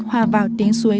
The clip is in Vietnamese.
hòa vào tiếng suối